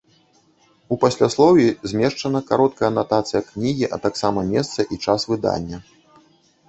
У пасляслоўі змешчана кароткая анатацыя кнігі, а таксама месца і час выдання.